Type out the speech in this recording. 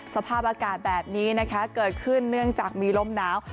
สภาพอากาศแบบนี้นะคะเกิดขึ้นเนื่องจากมีลมหนาว